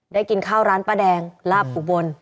กินข้าวร้านป้าแดงลาบอุบล